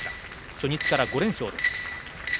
初日から５連勝です。